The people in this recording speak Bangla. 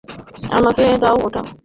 আমাকে দাও ওটা।